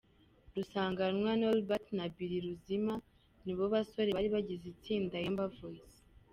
Rusanganwa Nobert na Bill Ruzima ni bo basore bari bagize itsinda Yemba Voice.